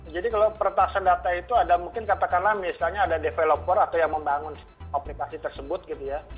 jadi kalau peretasan data itu ada mungkin katakanlah misalnya ada developer atau yang membangun aplikasi tersebut gitu ya